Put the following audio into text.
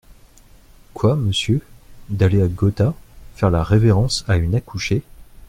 Quoi, monsieur, d’aller à Gotha, faire la révérence à une accouchée ?